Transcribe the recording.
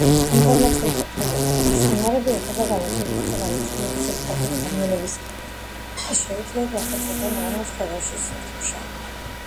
ინფორმაციული ტექნოლოგიების უნარები ეხება განათლებითა გამოცდილების მქონე ადამიანებს შეუძლიათ გადაწყვიტონ რომელ სფეროში სურთ მუშაობა